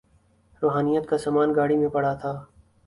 روحانیت کا سامان گاڑی میں پڑا تھا۔